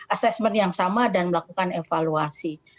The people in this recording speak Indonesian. assessment yang sama dan melakukan evaluasi